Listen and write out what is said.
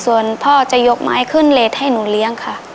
ส่วนพ่อจะยกไม้ขึ้นเลสให้หนูเลี้ยงค่ะ